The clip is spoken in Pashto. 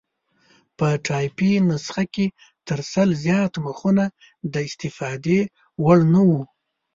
په ټایپي نسخه کې تر سل زیات مخونه د استفادې وړ نه وو.